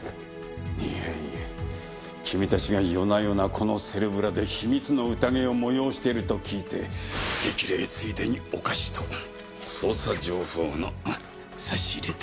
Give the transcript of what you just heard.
いやいや君たちが夜な夜なこのセルブラで秘密の宴を催していると聞いて激励ついでにお菓子と捜査情報の差し入れだ。